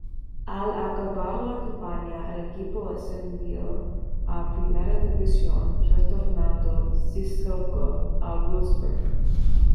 Al acabar la campaña el equipo ascendió a Primera División, retornando Sissoko al Wolfsburg.